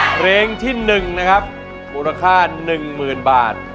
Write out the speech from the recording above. เพลงที่๑นะครับมูลค่า๑๐๐๐บาท